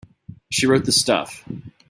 She wrote the stuff.